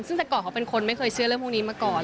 ซึ่งแต่ก่อนเขาเป็นคนไม่เคยเชื่อเรื่องพวกนี้มาก่อน